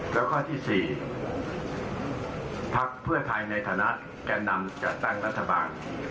แล้วข้อที่๔พักเพื่อไทยในฐานะแก่นำจัดตั้งรัฐบาล